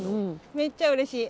めっちゃうれしい。